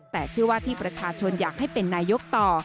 แต่เชื่อว่าที่ประชาชนอยากให้เป็นนายกต่อ